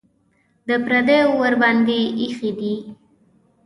د پردیو ورباندې ایښي دي.